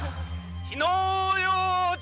・火の用心！